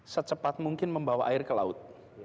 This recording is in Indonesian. secepat mungkin membawa air ke laut